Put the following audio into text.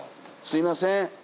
すみません。